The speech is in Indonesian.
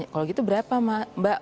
kalau gitu berapa mbak